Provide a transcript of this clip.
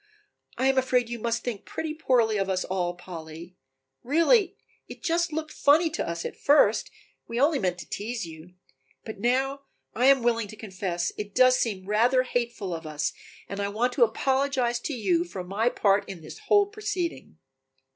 "I am afraid you must think pretty poorly of us all, Polly, really it just looked funny to us at first, we only meant to tease you. But now, while I am willing to confess, it does seem rather hateful of us and I want to apologize to you for my part in this whole proceeding."